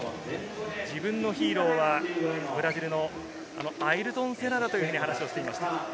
自分のヒーローは、ブラジルのアイルトン・セナだという話をしていました。